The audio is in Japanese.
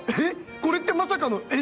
これってまさかの炎上？